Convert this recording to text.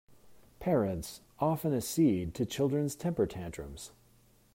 Parents often accede to children's temper tantrums.